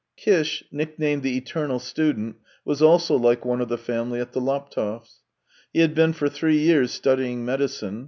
Kish, nicknamed " the eternal student," was also like one of the family at the Laptevs'. He had been for three years studying medicine.